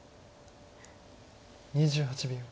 ２８秒。